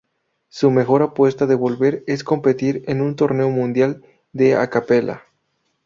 Su mejor apuesta de volver es competir en un torneo mundial de a capella.